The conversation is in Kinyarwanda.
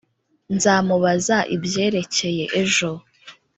Nzamubaza ibyerekeye ejo